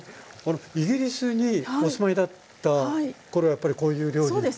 イギリスにお住まいだった頃はやっぱりこういう料理って。